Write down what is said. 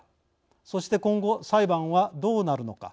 そして今後、裁判はどうなるのか。